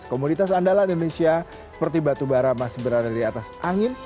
komoditas andalan di indonesia seperti batu bara masih berada di atas angin